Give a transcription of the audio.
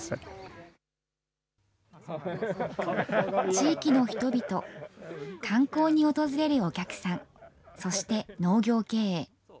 地域の人々、観光に訪れるお客さん、そして農業経営。